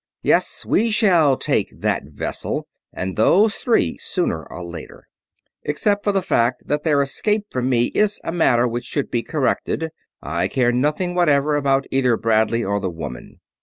Yes, we shall take that vessel. And those three sooner or later. Except for the fact that their escape from me is a matter which should be corrected, I care nothing whatever about either Bradley or the woman.